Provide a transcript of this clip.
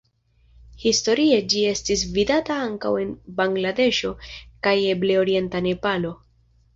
Historie ĝi estis vidata ankaŭ en Bangladeŝo kaj eble orienta Nepalo.